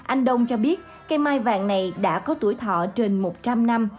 anh đông cho biết cây mai vàng này đã có tuổi thọ trên một trăm linh năm